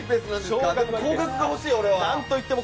高額が欲しい、俺は！